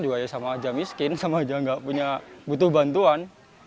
juga ya sama aja miskin sama aja nggak punya butuh bantuan